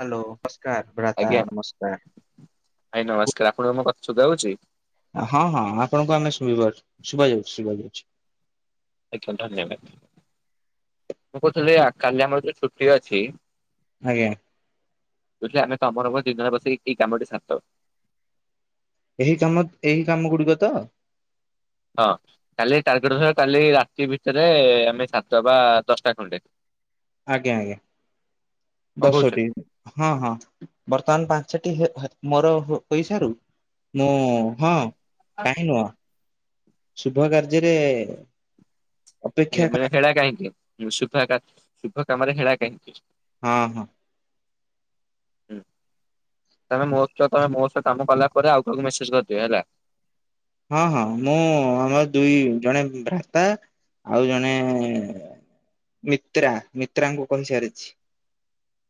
Hello ନମସ୍କାର ଭ୍ରାତା ଆଜ୍ଞା। ନମସ୍କାର। ଭାଇ ନମସ୍କାର। ଆପଣ ମୋ କ ସୁଧାଉଛି । ହଁ ହଁ ।ଆପଣଙ୍କୁ ଆମେ ଶୁଣି ପାରୁଛୁ। ଶୁଭା ଯାଉଛି, ଶୁଭା ଯାଉଛି। ଆଜ୍ଞା ଧନ୍ୟବାଦ ।ମୁଁ କହୁଥିଲି, କାଲି ଆମର ଯୋଉ ଛୁଟି ଅଛି । ଆଜ୍ଞା। ବୁଝିଲେ ଆମେ ତମର ମୋର, ଦୁଇ ଜଣ ବସି କି ଏହି କାମ ଟି ସାରିଦବା । ଏହି କାମ। ଏହି କାମ ଗୁଡିକ ତ? ହଁ କାଲି ଟାର୍ଗେଟ ବସିବା, କାଲି ରାତି ଭିତରେ, ଆମେ ସାରିଦେବା ଦଶଟା ଖଣ୍ଡେ । ଆଜ୍ଞା ଆଜ୍ଞା । କଣ କହୁଛ ଦଶଟି। ହଁ, ହଁ ବର୍ତ୍ତମାନ ପାଞ୍ଚଟି ମୋର ପଇସାରୁ, ମୁଁ ହଁ, କାହିଁ ନୁହ। ଶୁଭ କାର୍ଯ୍ୟରେ ଏ ଅପେକ୍ଷା କା ମେଳେ ହେଳା କାହିଁକି। ଶୁଖୁଆ କାଟ୍, ଶୁଭ କାମରେ ହେଳା କାହିଁକି? ହଁ, ହଁ । ହୁଁ, ତମେ ମୋ ସହ ତମେ ମୋ ସହ କାମ କଲା ପରେ ଆଉ କାହାକୁ ମେସ ମେଷେଜ, କରିଦିଅ ହେଲା ହଁ, ହଁ। ମୁଁ ଆମର ଦୁଇ ଜଣେ ଭ୍ରାତା ଆଉ ଜଣେ ମିତ୍ରା, ମିତ୍ରାଙ୍କୁ କହିସାରିଛି।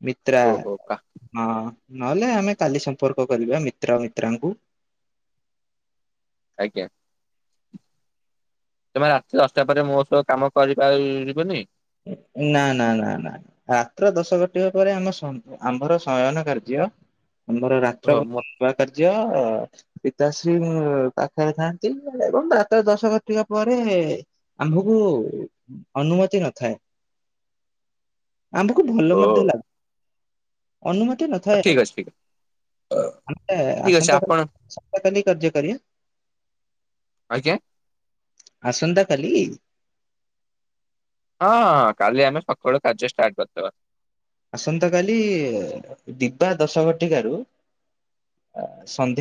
ମିତ୍ରା ଓହୋ ।ହଁ, ନହେଲେ ଆମେ କାଲି ସମ୍ପର୍କ କରିବା ମିତ୍ର ମିତ୍ରାଙ୍କୁ। ଆଜ୍ଞା। ତମେ ରାତି ଦଶଟା ପରେ, ମୋ ସହ କାମ କରିପାରିବନି? ନା, ନା, ନା, ନା, ରାତ୍ର ଦଶ କୋଟିବା ପରେ ଆମ ସମ୍ପ-ଆମ୍ଭର ଶୟନ କାର୍ଯ୍ୟ ଆମର ରାତ୍ର, ଓ ବା- ମୋ ନୂଆ କାର୍ଯ୍ୟ ତାଶ୍ରୀ ମୁଁ ପାଖରେ ଥାନ୍ତି, ଏବଂ ରାତ୍ର ଦଶ କଟିବା ପରେ, ଆମ୍ଭକୁ ଅନୁମତି ନଥାଏ। ଆମକୁ ଭଲ ଓ ମଧ୍ୟ ଲାଗୁ। ଅନୁମତି ନଥାଏ। ଠିକ ଅଛି ଠିକ ଅଛି ଆମେ ଠିକ ଅଛି ଆପଣ ଆସନ୍ତାକାଲି ସନ୍ତକାଲି କାର୍ଯ୍ୟ କରିବେ। ଆଜ୍ଞା। ଆସନ୍ତା କାଲି ହଁ, ହଁ। କାଲି ଆମେ ସକାଳୁ କାର୍ଯ୍ୟ, ଷ୍ଟାର୍ଟ କରିଦବା। ଆସନ୍ତା କାଲି, ଦିବା ଦଶ ଘଟିକ ରୁ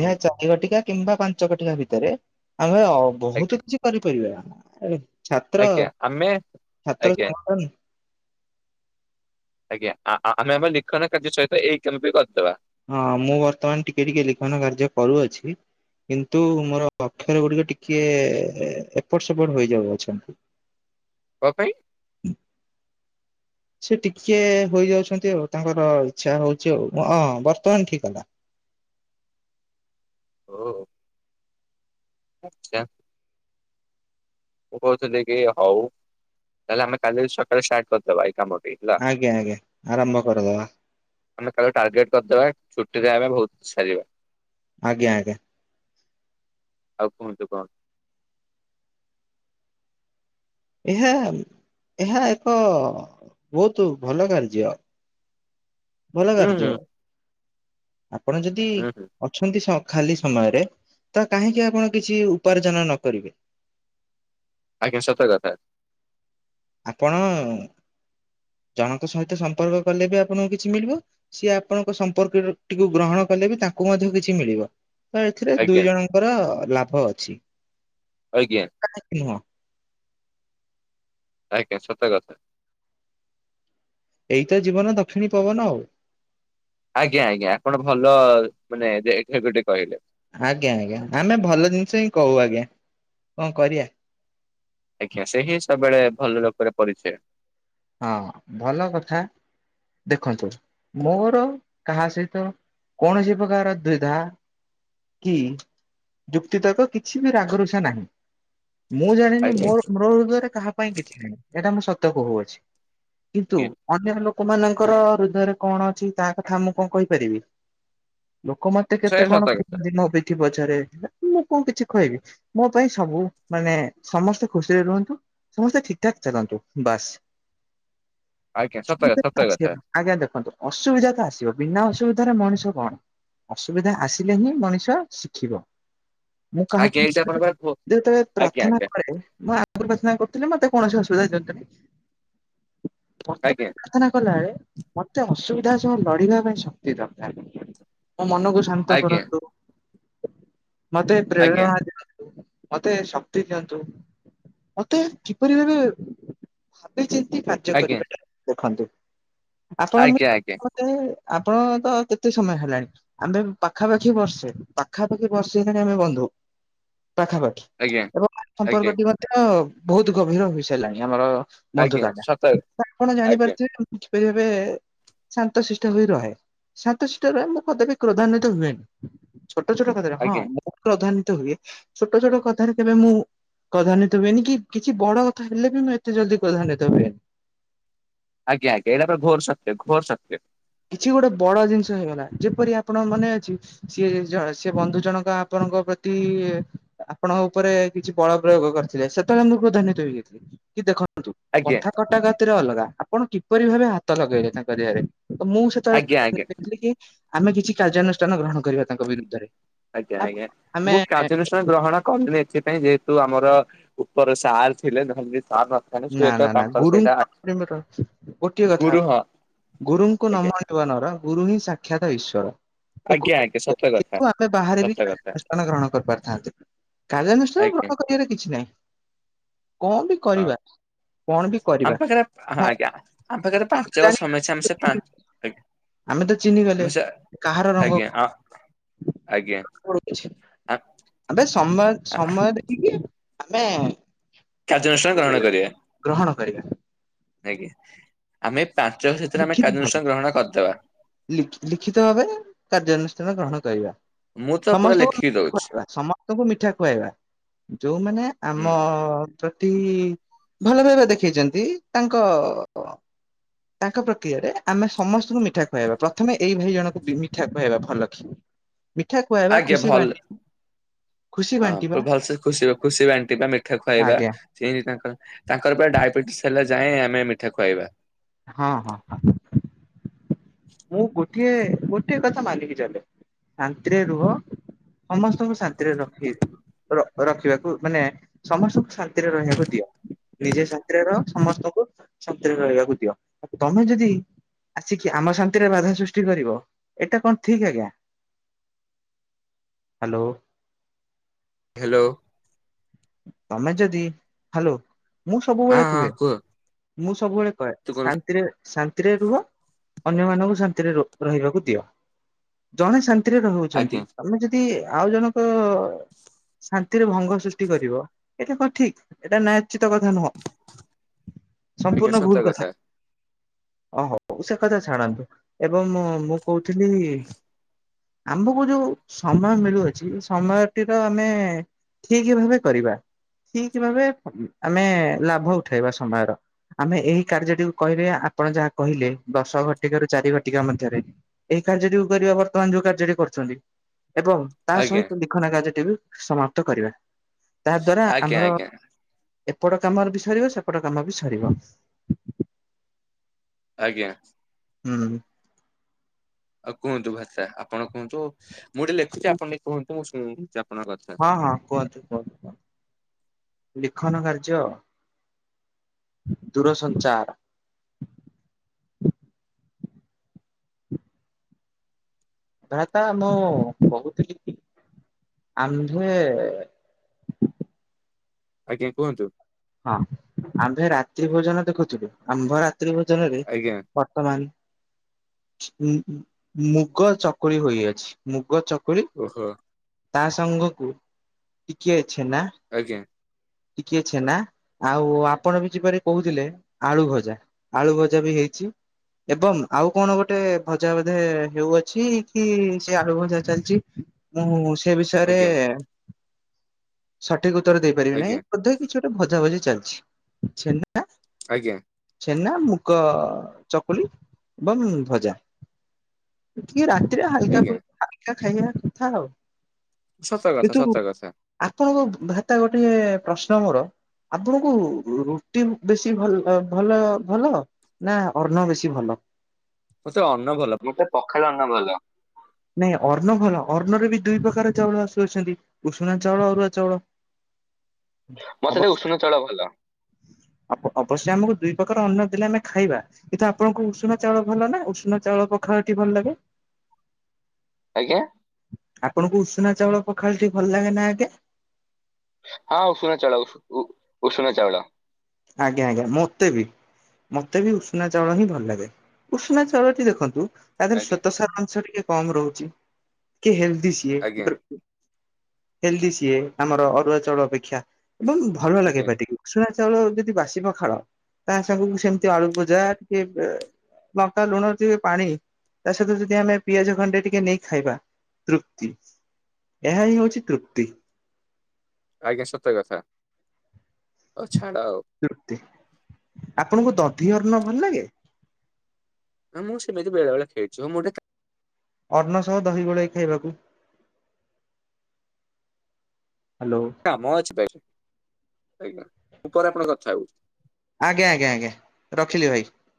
ହୁଁ ଚାରି ଘଟିକା, କିମ୍ବା ପାଞ୍ଚ ଘଟିକା, ଭିତରେ ଆମେ ଆଜ୍ଞା ବହୁତ କିଛି କରିପାରିବା। ଛାତ୍ର, ଆଜ୍ଞା ଆମେ ଛାତ୍ର ଆଜ୍ଞା ସଂଗଠନ। ଆଜ୍ଞା ।ଆ, ଆ, ଆମେ ଲିଖନ କାର୍ଯ୍ୟ ସହିତ ଏଇ କାମ ବି କରିଦବା। ହଁ, ମୁଁ ବର୍ତ୍ତମାନ ଟିକେ, ଟିକେ ଲିଖନ କାର୍ଯ୍ୟ କରୁଅଛି। କିନ୍ତୁ ମୋର ଅକ୍ଷର ଗୁଡିକ ଟିକେ ଏପଟ ସେପଟ ହୋଇଯାଉ ଅଛନ୍ତି। କ ପାଇଁ ସେ ଟିକେ ହୋଇଯାଉଛନ୍ତି ଆଉ ତାଙ୍କର ଇଛା ହଉଛି ଆଉ ହଁ ବର୍ତ୍ତମାନ ଠିକ ହେଲା। ହଁ। ଆଛା। ମୁଁ କହୁଥିଲି କି ହଉ ତାହଲେ ଆମେ କାଲି ସକାଳେ ଷ୍ଟାର୍ଟ କରିଦବା ଏଇ କାମ ଦେଇଥିଲା ଆଜ୍ଞା ଆଜ୍ଞା ଆରମ୍ଭ କରିଦବା ଆମେ ଟାର୍ଗେଟ କରିଦବା ଟିକେ ଆର ବହୁତ ସରିବ ଆଜ୍ଞା ଆଜ୍ଞା। ଆଉ କୁହନ୍ତୁ କଣ? ଇଯାହଲ ଏହା ଏକ ବହୁତ ଭଲ କାର୍ଯ୍ୟ। ଭଲ ହୁଁ ହୁଁ କାର୍ଯ୍ୟ। ଆପଣ ଯଦି ହୁଁ ହୁଁ ଅଛନ୍ତି ସ ଖାଲି ସମୟରେ ତ କାହିଁକି ଆପଣ କିଛି ଉପାର୍ଜନ ନ କରିବେ? ଆଜ୍ଞା ସତ କଥା। ଆପଣ ଜଣଙ୍କ ସହିତ ସମ୍ପର୍କ କଲେ ବି ଆପଣଙ୍କୁ କିଛି ମିଳିବ ସିଏ ଆପଣଙ୍କ ସମ୍ପର୍କ ଟିକୁ ଗ୍ରହଣ କଲେ ବି ତାଙ୍କୁ ମଧ୍ୟ କିଛି ମିଳିବ ତ ଏଥିରେ ଆଜ୍ଞା ଦୁଇ ଜଣଙ୍କର ଲାଭ ଅଛି। ଆଜ୍ଞା କାହିଁକି ନୁହଁ? ଆଜ୍ଞା ସତ କଥା। ଏଇ ତ ଜୀବନ ଦକ୍ଷିଣୀ ପବନ ଆଉ। ଆଜ୍ଞା ଆଜ୍ଞା ଆପଣ ଭଲ ମାନେ ଦେ ଗୋଟେ କହିଲେ ଆଜ୍ଞା ଆଜ୍ଞା ଆମେ ଭଲ ଜିନିଷ ହିଁ କହୁ ଆଜ୍ଞା କଣ କରିବା। ଆଜ୍ଞା ସେ ହିଁ ସବୁବେଳେ ଭଲ ଲୋକରେ ପଡିଛେ। ହଁ ଭଲ କଥା। ଦେଖନ୍ତୁ ମୋର କାହା ସହିତ କୌଣସି ପ୍ରକାର ଦ୍ୱିଧା କି ଯୁକ୍ତିତର୍କ କିଛି ବି ରାଗରୁଷା ନାହିଁ। ମୁଁ ଜାଣିନି ଆଜ୍ଞା ମୋ ମୋ ହୃଦୟରେ କାହା ପାଇଁ କିଛି ନାହିଁ। ଏଇଟା ମୁ ସତ କହୁଅଛି। କିନ୍ତୁ ଆଜ୍ଞା ଅନ୍ୟ ଲୋକ ତମ ମାନଙ୍କର ହୃଦୟରେ କଣ ଅଛି ତା କଥା ମୁଁ କଣ କହିପାରିବି। ଲୋକ ମତେ ସେ କେତେ କଣ ସତ ଖୁ କଥା ମତେ କିଛି ପଛରେ ହେ ମୁଁ କଣ କିଛି କହିବି ମୋ ପାଇଁ ସବୁ ମାନେ ସମସ୍ତେ ଖୁସିରେ ରୁହନ୍ତି। ସମସ୍ତେ ଠିକ ଠାକ ଚାଲନ୍ତୁ ବାସ୍। ଆଜ୍ଞା ସତ ଅସୁବିଧା ତ ସତ ଆସିବ। କଥା ଆଜ୍ଞା ଦେଖନ୍ତୁ ଅସୁବିଧା ତ ଆସିବ। ବିନା ଅସୁବିଧା ରେ ମଣିଷ କଣ ଅସୁବିଧା ଆସିଲେ ହିଁ ମଣିଷ ଶିଖିବ। ମୁଁ କାହାକୁ ଆଜ୍ଞା ଏଇଟା ଆପଣଙ୍କ ପା ଯେତେବେଳେ ପ୍ରାର୍ଥନା କରେ ମୁଁ ଆଗରୁ ପ୍ରାର୍ଥନା କରିଥିଲି ମତେ କୌଣସି ଅସୁବିଧା ଦିଅନ୍ତୁନି। ବର୍ତ୍ତମାନ ଆଜ୍ଞା ପ୍ରାର୍ଥନା କଲାବେଳେ ମତେ ଅସୁବିଧା ସହ ଲଢିବା ପାଇଁ ଶକ୍ତି ଦରକାର। ମୋ ମନକୁ ଶାନ୍ତ ଆଜ୍ଞା କରନ୍ତୁ। ମତେ ପ୍ରେରଣା ଆଜ୍ଞା ଦିଅନ୍ତୁ ମତେ ଶକ୍ତି ଦିଅନ୍ତୁ। ମତେ କିପରି ଭାବେ ଭାବି ଚିନ୍ତି କାର୍ଯ୍ୟ ଆଜ୍ଞା କରିବାଟା ଦେଖନ୍ତୁ। ଆପଣ ଆଜ୍ଞା ଆଜ୍ଞା ଆଜ୍ଞା ମତେ ଆପଣ ତ କେତେ ସମୟ ହେଲାଣି? ଆମ୍ଭେ ପାଖାପାଖି ବର୍ଷେ ପାଖାପାଖି ବର୍ଷେ ହେଲାଣି ଆମେ ବନ୍ଧୁ। ପାଖାପାଖି ଆଜ୍ଞା ଏବଂ ଆଜ୍ଞା ସମ୍ପର୍କଟି ମଧ୍ୟ ବହୁତ ଗଭୀର ହୋଇ ସାରିଲାଣି ଆମର ଆଜ୍ଞା ବନ୍ଧୁତାଟା ସତ ଆପଣ ଆଜ୍ଞା ଜାଣିପାରୁଥିବେ ପରି ଭବେ ଶାନ୍ତଶିଷ୍ଟ ହୋଇ ରହେ। ଶାନ୍ତଶିଷ୍ଟ ରହେ ମୁଁ କଦାବି କ୍ରୋଧାନ୍ଵି ହୁଏନି ଛୋଟ ଛୋଟ କଥାରେ ହଁ ଆଜ୍ଞା ମୁଁ କ୍ରୋଧାନି ହୁଏ ଛୋଟ ଛୋଟ କଥାରେ କେବେ ମୁଁ କ୍ରୋଧାନ୍ୟିତ ହୁଏନି କି କିଛି ବଡ କଥା ହେଲେ ବି ମୁଁ ଏତେ ଜଲ୍ ଦି କ୍ରୋଧାନିତ ହୁଏନି। ଆଜ୍ଞା ଆଜ୍ଞା ଏଇଟା ତ ଘୋର ସତ୍ୟ ଘୋର ସତ୍ୟ। କିଛି ଗୋଟେ ବଡ ଜିନିଷ ହେଇଗଲା ଯେପରି ଆପଣ ମନେ ଅଛି ସିଏ ଜ ସେ ବନ୍ଧୁ ଜଣକ ଆପଣ ପ୍ରତି ଆପଣଙ୍କ ଉପରେ କିଛି ବଳ ପ୍ରୟୋଗ କରିଥିଲେ। ସେତେବେଳେ ମୁଁ କ୍ରୋଧନିତ ହେଇଯାଇଥିଲି ।କି ଦେଖ ଆଜ୍ଞା କଥା କଟା ଗତିରେ ଅଲଗା ଆପଣ କିପରି ଭାବେ ହାତ ଲଗେଇଲେ ତାଙ୍କ ଦେହରେ? ତ ମୁଁ ଆଜ୍ଞା ଆଜ୍ଞା ସେତେବେଳେଥିଲି କି ଆମେ କିଛି କାର୍ଯ୍ୟାନୁଷ୍ଠାନ ଗ୍ରହଣ କରିବା ତାଙ୍କ ବିରୁଦ୍ଧରେ। ଆଜ୍ଞା ଆଜ୍ଞା ଆମେ ମୁଁ କାର୍ଯ୍ୟାନୁଷ୍ଠାନ ଗ୍ରହଣ କଲିି ଏଥିପାଇଁ ଯେହେତୁ, ଆମର ଉପର ସାର୍ ଥିଲେ, ଧ ନା ନା ନା ଗୁରୁଙ୍କ ପାଇଁ ଗୋଟିଏ କଥା ଗୁରୁ ହଁ ଗୁରୁଙ୍କୁ ଆଜ୍ଞା ନମଣିବ ନର ଗୁରୁ ହିଁ ସାକ୍ଷାତ ଈଶ୍ଵର। ତ ଆଜ୍ଞା ଗୁରୁ ଆଜ୍ଞା ସ କିନ୍ତୁ ଆମେ ବାହାରେ ବି କାର୍ଯ୍ୟାନୁଷ୍ଠାନ ଗ୍ରହଣ କରିପାରିଥାନ୍ତେ। କାର୍ଯ୍ୟାନୁଷ୍ଠାନ ଆଜ୍ଞା ଗ୍ରଣ କରିବାର କିଛି ନାହିଁ କଣ ବି ହଁ। କରିବା କଣ ବି କରିବା ଆମ ପାଖରେ ହଁ ଆଜ୍ଞା । ଆମ ପାଖରେ ପାଞ୍ଚଟା ବା ଜାଣି ସମୟ ଅଛି ଆମେ ସେ ପାଞ୍ଚ ଆମେ ତ ଚିହ୍ନି ଗଲେ ଆଜ୍ଞା। କାହାର ରଙ୍ଗ ଆଜ୍ଞା କଣ ହଁ ଆଜ୍ଞା। ଆଁ। ସୋମବାର ସୋମବାର ଟିକେ ଆମେ କାର୍ଯ୍ୟାନୁଷ୍ଠାନ ଗ୍ରହଣ କରିବା। ଗ୍ରହଣ କରିବା ଆଜ୍ଞା ଆମେ ପାଞ୍ଚ ବର୍ଷ ଭିତରେ ଆମେ ଲଖିତ କାର୍ଯ୍ୟାନୁଷ୍ଠାନ ଗ୍ରହଣ କରିଦବା ଭ ଲିଖିତ ଭାବେ କାର୍ଯ୍ୟାନୁଷ୍ଠାନ ଗ୍ରହଣ କରିବା। ମୁଁ ତ ପୁରା ସମସ୍ତଙ୍କୁ ଲେଖିକି ମିଠା ଦଉଛିି। ସମସ୍ତଙ୍କୁ ମିଠା ଖୁଆଇବା। ଯୋଉମାନେ ହୁଁ ଆମ ପ୍ରତି ଭଲ ଭାବବେ ଦେଖେଇଛନ୍ତି, ତାଙ୍କ ତାଙ୍କ ପ୍ରକ୍ରିୟାରେ ଆମେ ସମସ୍ତଙ୍କୁ ମିଠା ଖୁଆଇବା ପ୍ରଥମେ ଏଇ ଭାଇ ଜଣଙ୍କୁ ବି ମିଠା ଖୁଆଇବା ଭଲ କି। ଖୁଆଇବା ଆଜ୍ଞା ଖୁସି ଭଲ ବାଣ୍ଟି ଖୁସି ହଁ ବାଣ୍ଟିବା ପୁର ଭଲସେ ଖୁସି-ଖୁସି ବାଣ୍ଟିବା ମିଠା ଖୁଆଇବା ଆଜ୍ଞା ସେ ତାଙ୍କର-ତାଙ୍କର ପୁର ଡାଇବେଟିସ୍ ହେଲା। ଯାଏଁ ଆମେ ମିଠା ଖୁଆଇବା। ହଁ-ହଁ-ହ। ମୁଁ ଗୋଟିଏ ଗୋଟେ କଥା ମାନିକି ଚାଲେ ଶନ୍ତିରେ ରୁହ। ସମସ୍ତଙ୍କୁ ଶାନ୍ତିରେ ରଖି-ରଖି ରଖିବାକୁ ମାନେ ସମସ୍ତଙ୍କୁ ଶା ଥିରେ ରହିବାକୁ ଦିଅ ନିଜେ ସାନ୍ତିରେ ରହ ସମସ୍ତଙ୍କୁ ଶାନ୍ତିରେ ରହିବାକୁ ଦିଅ। ତମେ ଯଦି ଆସିକି ଆମ ଶାନ୍ତିରେ ବାଧା ସୃଷ୍ଟି କରିବ। ଏଇଟା କଣ ଠିକ ଆଜ୍ଞା? [inaudible] ହ୍ୟାଲୋ। ହ୍ୟାଲୋ। ତମେ ଯଦି, ହ୍ୟାଲୋ ମୁଁ ହଁ ସବୁବେଳେ ହଁ କୁହେ କୁହ ମୁଁ ସବୁବେଳେ କହ ତୁ କଣ ଶାନ୍ତିରେ-ଶାନ୍ତିରେ ରୁହ ଅନ୍ୟମାନଙ୍କୁ ଶାନ୍ତିରେ ର ରହିବାକୁ ଦିଅ, ଜଣେ ଶାନ୍ତିରେ ରହୁଛନ୍ତି ଆଜ୍ଞା ତମେ ଯଦି ଆଉଜଣଙ୍କ ଶାନ୍ତିରେ ଭଙ୍ଗସୃଷ୍ଟି କରିବ, ଏଇଟା କଣ ଠିକ ଏଇଟା ନା ଉଚିତ୍ କଥାନୁହଁ, ଆଜ୍ଞା ସମ୍ପୂର୍ଣ୍ଣ ସତ ଭୁଲକଥା। କଥା ଓହୋ ସେ କଥା ଛାଡନ୍ତୁ ଏବଂ ମୁଁ କହୁଥିଲି ଆମକୁ ଯୋଉ ସମୟ ମିଳୁଅଛି ସମୟଟିର ଆମେ ଠିକ୍ ଠିକ୍ ଭାବେ କରିବା, ଠିକ୍ ଭାବେ ଆମେ ଲାଭ ଉଠେଇବା ସମୟର। ଆମେ ଏଇ କାର୍ଯ୍ୟଟିକୁ କହିବେ ଆପଣ ଯାହା କହିଲେ, ଦଶଘଟିକ ରୁ ଚାରିଘଟିକା ମଧ୍ୟରେ କାର୍ଯ୍ୟଟିକୁ କରିବା ବର୍ତ୍ତମାନ ଯୋଉ କାର୍ଯ୍ୟଟି କରୁଛନ୍ତି। ଏବଂ, ଆଜ୍ଞା ତାସହିତ ଲିଖନ କାର୍ଯ୍ୟଟିବି ସମାପ୍ତ କରିବା। ତାଦ୍ଵାରା ଆଜ୍ଞା ଆମ୍ବର ଆଜ୍ଞା ଏପଟ କାମରେ ବି ସରିବ ସେପଟ କାମ ବି ସରିବ। ଆଜ୍ଞା। ହୁଁ। ଆଉ କୁହନ୍ତୁ ଭାଷା, ଆପଣ କୁହନ୍ତୁ, ମୁଁ ଟିକେ ଲେଖୁଛି ଆପଣ ଟିକେ କୁହନ୍ତୁ ମୁଁ ଶୁଣ ହଁ-ହଁ କୁହନ୍ତୁ-କୁହନ୍ତୁ-କୁହନ୍ତୁ, ଲିଖନ କାର୍ଯ୍ୟ। ଦୂରସଞ୍ଚାର। ଭ୍ରାତା ମୁଁ ବହୁତ ଆମଧୁଏ। ଆଜ୍ଞା କୁହନ୍ତୁ। ହଁ ଆମ୍ଭେ ରାତିଭୋଜନ ଦେଖୁଥିଲୁ ଆମ୍ଭ ରା ତ୍ରୀ ଭୋଜନରେ ଆଜ୍ଞା ବର୍ତ୍ତମାନ ମୁଁ ମୁ ମୁଗ ଚକୁଳି ହୋଇଅଛି, ମୁଗ ଚ ଓହୋ। ତା ସାଙ୍ଗକୁ, ଟିକିଏ ଛେନା ଆଜ୍ଞା ଟିକେ ଛେନା, ଆଉ ଆପଣବି ଯପାରି କହୁଥିଲେ, ଆଳୁଭଜା ଆଳୁଭଜାବି ହେଇ [inaudible] ଏବଂ ଆଉ କଣଗୋଟେ ଭଜା ବୋଧେ ହେଉଅଛି କି ସେ ଆଳୁଭଜା ଚାଲିଛି। ମୁଁ ସେ ବିଷୟରେ ଆଜ୍ଞା ସଠିକ ଉତ୍ତର ଦେଇପାରିବି ନାହିଁ। ଆଜ୍ଞା କିଛି ଗୋଟେ ଭଜାଭଜି ଚାଲିଛି, ଛନା ଆଜ୍ଞା। ଛେନାମୁଗ ଚକୁଳି ଏବଂ ଭଜା ଟିକିଏ ରାଗ ଟିକିଏ ଆଜ୍ଞା ହାଲକାଫୁଲକା ହାଲକା ଖାଇବା କଥା ଆଉ ସତ କଥା କିନ୍ତୁ, ସତ କଥା ଆପଣଙ୍କ ଭ୍ରାତା ଗୋଟେ ପ୍ରଶ୍ନ ମୋର? ଆପଣଙ୍କୁ ରୁଟି ବେଶୀ ଭଲ, ଭଲ, ଭଲ ନା ଅନ୍ନ ବେଶୀ ଭଲ? ମତେ ଅନ୍ନ ଭଲ, ମତେ ପଖାଳଅନ୍ନ ଭଲ। ନାଇଁ ଅର୍ଣ ଭଲ, ଅର୍ଣ୍ଣରେ ବି ଦୁଇ ପ୍ରକାର ଚାଉଳ ଆସୁଛନ୍ତି, ଉଷୁନା ଚାଉଳ ଅରୁଆ ଚାଉଳ ମତେସେ ଅବଶ୍ୟ ଉଷୁନା ଚଳ ଭଲ। ଅବଶ୍ୟ ଆମକୁ ଦୁଇ ପ୍ରକାର ଅନ୍ନ ଦେଲେ ଆମେ ଖାଇବା, କିନ୍ତୁ ଆପଣଙ୍କୁ ଉଷୁଣ ଚାଉଳ ଭଲ ନା ଉଷୁଣ ଚାଉଳ? ଘରଟି ଭଲ ଲାଗେ। ଆଜ୍ଞା। ଆପଣଙ୍କୁ ଉଷୁନା ଚାଉଳ ପଖାଳଟି ଭଲ ଲାଗେ ନା ଆଜ୍ଞେ? ହଁ, ଉଷୁନା ଚାଉଳ ଉ ଉଷୁନା ଚାଉଳ। ଆଜ୍ଞା ଆଜ୍ଞା ମଁତେ ବି। ମତେ ବି ଉଷୁନା ଚାଉଳ ହିଁ ଭଲ ଲାଗେ ଉଷୁନା ଚାଉଳଟି ଦେଖନ୍ତୁ ତା ଦେହରେ ଆଜ୍ଞା ସ୍ଵେତ ସାର ଅଂଶ ଟିକେ କମ୍ ରହୁଛି ଟିକେ ହେଲଦି ସିଏ। ଆଜ୍ଞା ହେଲଦି ସିଏ ଆମର ଅରୁଆ ଚାଉଳ ଅପେକ୍ଷା ଏବଂ ଭଲ ଲାଗେ ଆଜ୍ଞା ପାଟିକୁ ଶୁ ଯଦି ବାସି ପଖାଳ ତା ସାଙ୍ଗକୁ ସେମତି ଆଳୁ ବଜା ଟିକେ ବା ଲଙ୍କା ଲୁଣ [unintelligible] ଚି ପାଣି ତା ସହିତ ଯଦି ଆମେ ପିଆଜ ଖଣ୍ଡେ ଟିକେ ନେଇ ଖାଇବା ତୃପ୍ତି। ଏହା ହିଁ ହେଉଛି ତୃପ୍ତି। ଆଜ୍ଞା ସତ କଥା ଓ ଛାଡ଼ ଆଉ। ତୃପ୍ତି ଆପଣଙ୍କୁ ଦଧି ଅନ୍ନ ଭଲ ଲାଗେ? ମୁଁ ସେମିତି ବେଳେ ବେଳେ ଖେଳିଛିଉ ମୁଁ ଗୋଟେ କା ଅନ୍ନ ସହ ଦହି ଗୋଳେଇ ଖାଇବାକୁ। ହ୍ୟାଲୋ କାମ ଅଛି ଭାଇ ଆଜ୍ଞା ମୁଁ ପରେ ଆପଣଙ୍କ କଥା ହେଉଛି। ଆଜ୍ଞା ଆଜ୍ଞା ଆଜ୍ଞା ରଖିଲି ଭାଇ।